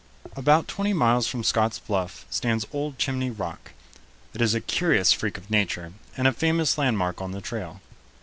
] About twenty miles from Scott's Bluff stands old Chimney Rock. It is a curious freak of nature, and a famous landmark on the trail.